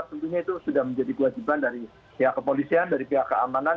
tentunya itu sudah menjadi kewajiban dari pihak kepolisian dari pihak keamanan